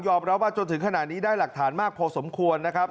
รับว่าจนถึงขนาดนี้ได้หลักฐานมากพอสมควรนะครับ